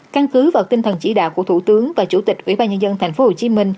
căn cứ vào tinh thần chỉ đạo của thủ tướng và chủ tịch ủy ban nhân dân tp hcm